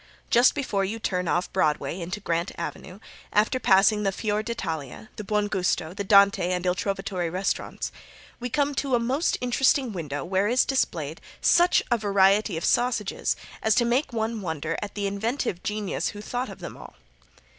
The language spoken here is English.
Just before you turn off Broadway into Grant avenue, after passing the Fior d'Italia, the Buon Gusto, the Dante and Il Trovatore restaurants, we come to a most interesting window where is displayed such a variety of sausages as to make one wonder at the inventive genius who thought of them all.